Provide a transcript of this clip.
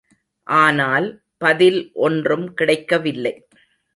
ஆனால், பதில் ஒன்றும் கிடைக்கவில்லை.